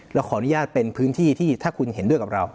เราขออนุญาตเป็นพื้นที่ที่ถ้าคุณเห็นด้วยกับเรา